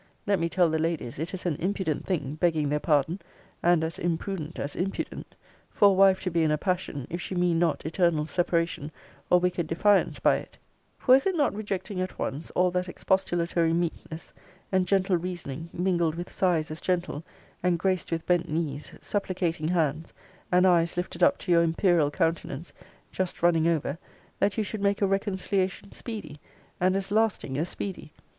Let me tell the ladies, it is an impudent thing, begging their pardon, and as imprudent as impudent, for a wife to be in a passion, if she mean not eternal separation, or wicked defiance, by it: For is it not rejecting at once all that expostulatory meekness, and gentle reasoning, mingled with sighs as gentle, and graced with bent knees, supplicating hands, and eyes lifted up to your imperial countenance, just running over, that you should make a reconciliation speedy, and as lasting as speedy?